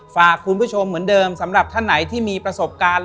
ฝากคุณผู้ชมเหมือนเดิมสำหรับท่านไหนที่มีประสบการณ์